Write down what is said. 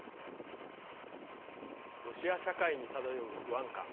ロシア社会に漂う不安感。